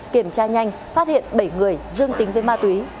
kiểm tra nhanh phát hiện bảy người dương tính với ma túy